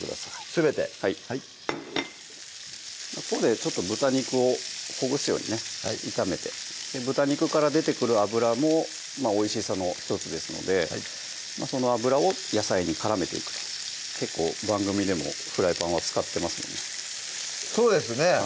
すべてはいここでちょっと豚肉をほぐすようにね炒めて豚肉から出てくる脂もおいしさの１つですのでその脂を野菜に絡めていくと結構番組でもフライパンは使ってますのでそうですね